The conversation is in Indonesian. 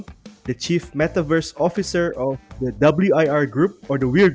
pertama tama netaverse ofisir dari grup wir